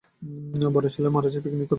বড় ছেলে মারা যায় পিকনিক করতে গিয়ে।